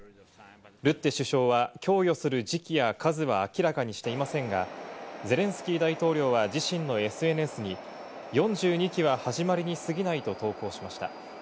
ルッテ首相は供与する時期や数は明らかにしていませんが、ゼレンスキー大統領は自身のＳＮＳに４２機は始まりに過ぎないと投稿しました。